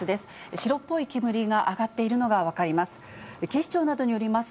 白っぽい煙が上がっているのが分かります。